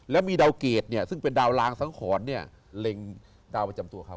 และมีดาวเกรดซึ่งเป็นดาวลางสังขรเล็งดาวประจำตัวเขา